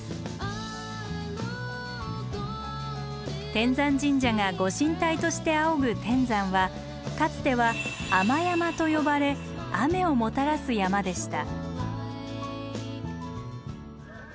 天山神社が御神体として仰ぐ天山はかつては天山と呼ばれ雨をもたらす山でした。